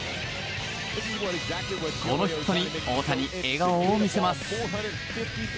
このヒットに大谷、笑顔を見せます。